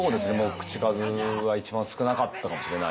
口数は一番少なかったかもしれないですね。